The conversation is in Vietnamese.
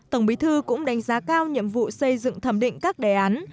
tổng bí thư cũng đánh giá cao nhiệm vụ xây dựng thẩm định các đề án